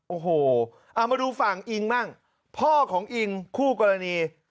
โอ้โหเอามาดูฝั่งอิงบ้างพ่อของอิงคู่กรณี